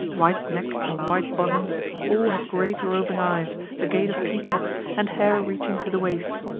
White necked and white bosomed, all had great roving eyes, the gait of peacocks, and hair reaching to the waist.